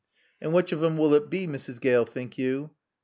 "And which of 'em will it bae, Mrs. Gaale, think you?"